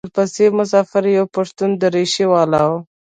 ورپسې مسافر یو پښتون درېشي والا و.